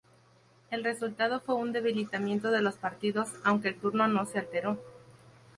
El resultado fue un debilitamiento de los partidos, aunque el turno no se alteró.